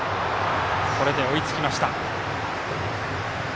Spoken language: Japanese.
これで追いつきました。